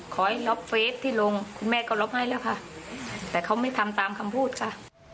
ขอให้ลบเฟสที่ลงคุณแม่ก็ลบให้แล้วค่ะแต่เขาไม่ทำตามคำพูดค่ะ